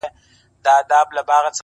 چاته د يار خبري ډيري ښې دي ـa